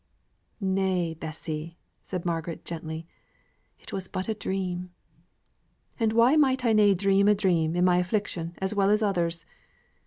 "Nay, Bessy," said Margaret, gently, "it was but a dream." "And why might na I dream a dream in my affliction as well as others?